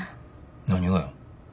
何がや。